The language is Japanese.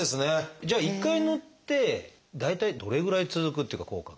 じゃあ一回塗って大体どれぐらい続くっていうか効果が。